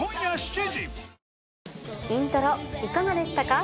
『イントロ』いかがでしたか？